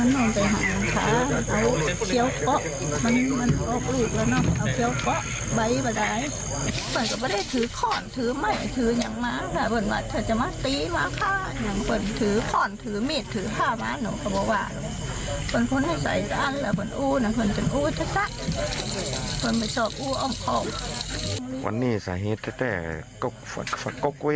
ห่อนถือมีดถือห้าม้านหน่วงข้าบัวบ่าค่ะค่ะ